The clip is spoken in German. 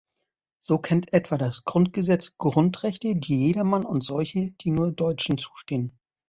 So kennt etwa das Grundgesetz Grundrechte, die jedermann und solche, die nur Deutschen zustehen.